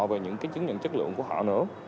về những cái chứng nhận chất lượng của họ nữa